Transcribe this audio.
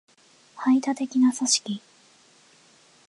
排他的な組織